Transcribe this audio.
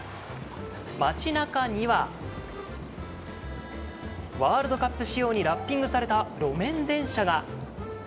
街中にはワールドカップ仕様にラッピングされた路面電車が。